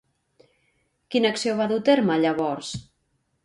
Quina acció va dur a terme llavors?